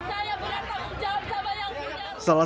saya berat untuk menjawab sama yang punya